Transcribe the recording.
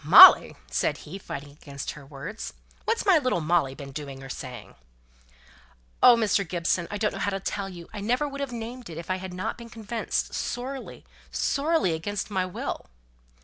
"Molly!" said he, fighting against her words. "What's my little Molly been doing or saying?" "Oh! Mr. Gibson, I don't know how to tell you. I never would have named it, if I had not been convinced, sorely, sorely against my will."